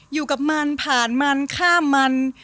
อยู่กับมันผ่านมันฆ่ามัน